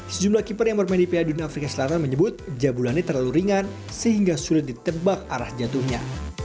sejumlah keeper yang bermain di piala dunia afrika selatan menyebut jabulannya terlalu ringan sehingga sulit ditebak arah jatuhnya